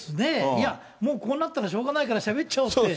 いや、もうこうなったらしょうがないからしゃべっちゃおうって。